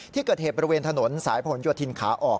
ที่เกิดเหตุบริเวณถนนสายผลโยธินขาออก